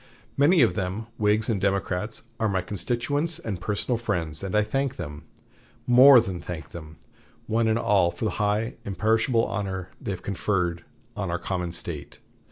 Many of them, Whigs and Democrats, are my constituents and personal friends; and I thank them more than thank them one and all, for the high, imperishable honor they have conferred on our common State."